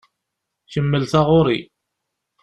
Kemmel taɣuṛi!